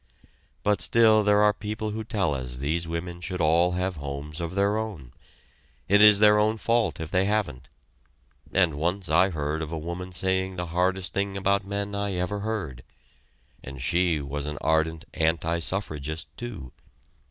But still there are people who tell us these women should all have homes of their own it is their own fault if they haven't; and once I heard of a woman saying the hardest thing about men I ever heard and she was an ardent anti suffragist too.